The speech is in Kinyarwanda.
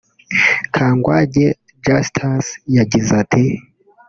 Kangwage Justus yagize ati